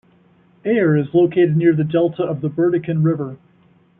Ayr is located near the delta of the Burdekin River.